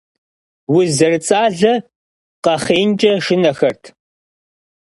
Уз зэрыцӀалэ къэхъеинкӀэ шынэхэрт.